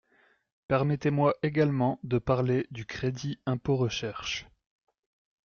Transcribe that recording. Permettez-moi également de parler du crédit impôt recherche.